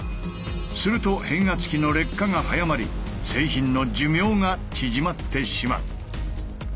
すると変圧器の劣化が早まり製品の寿命が縮まってしまう。